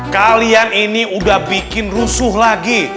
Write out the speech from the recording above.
kalian ini udah bikin rusuh lagi